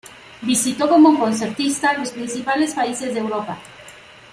Visitó como concertista los principales países de Europa.